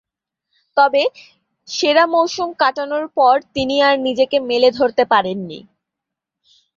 তবে, সেরা মৌসুম কাটানোর পর তিনি আর নিজেকে মেলে ধরতে পারেননি।